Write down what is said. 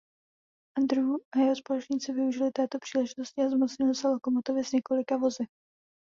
Andrews a jeho společníci využili této příležitosti a zmocnili se lokomotivy s několika vozy.